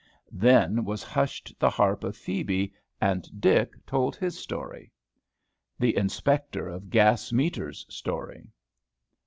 Then was hushed the harp of Phebe, and Dick told his story. THE INSPECTOR OF GAS METERS' STORY.